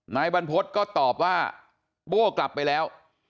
นายบรรพฤษก็ตอบว่าโบ้กลับไปแล้ว